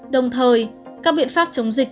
đồng thời các biện pháp chống dịch